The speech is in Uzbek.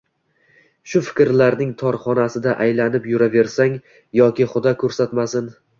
shu fikrlarning tor xonasida aylanib yuraversang yoki xudo ko‘rsatmasin